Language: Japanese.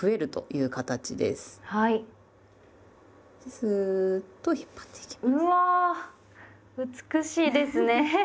うわ美しいですね。